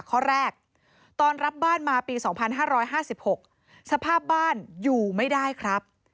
ข้อแรกตอนรับบ้านมาปี๒๕๕๖สภาพบ้านอยู่ไม่ได้ครับ